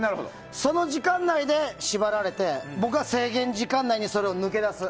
その時間内で縛られて僕が制限時間内にそれを抜け出す。